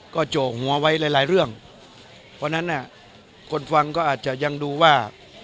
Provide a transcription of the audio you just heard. ก็โจกหัวไว้หลายหลายเรื่องเพราะฉะนั้นน่ะคนฟังก็อาจจะยังดูว่า